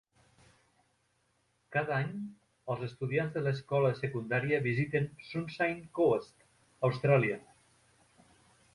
Cada any, els estudiants de l'escola secundària visiten Sunshine Coast, Austràlia.